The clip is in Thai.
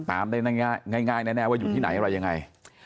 ตามได้ง่ายแน่ว่าอยู่ที่ไหนอะไรยังไง